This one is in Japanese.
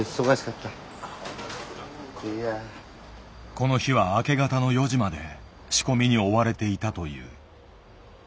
この日は明け方の４時まで仕込みに追われていたという。